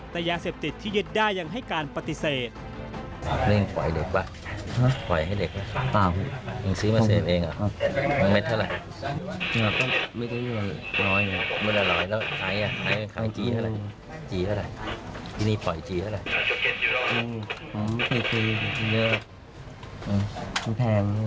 แต่ยาเสพติดที่ยึดได้ยังให้การปฏิเสธ